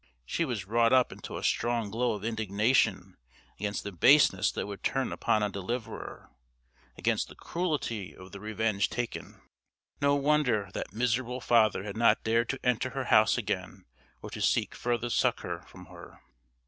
She was wrought up into a strong glow of indignation against the baseness that would turn upon a deliverer, against the cruelty of the revenge taken. No wonder that miserable father had not dared to enter her house again or to seek further succour from her!